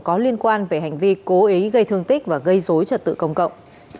có liên quan về hành vi cố ý gây thương tích và gây dối trật tự công cộng